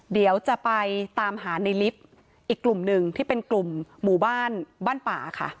เดี๋ยวจะไปตามหาในลิฟต์อีกกลุ่มหนึ่งที่เป็นกลุ่มหมู่บ้านบ้านป่าค่ะ